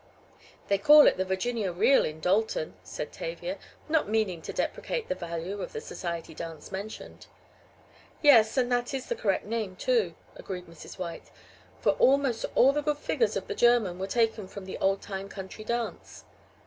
"They call it the Virginia Reel in Dalton," said Tavia, not meaning to deprecate the value of the society dance mentioned. "Yes, and that is the correct name, too," agreed Mrs. White, "for almost all the good figures of the German were taken from the old time country dance.